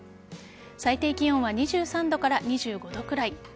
最低気温は２３度から２５度くらい。